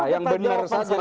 yang benar saja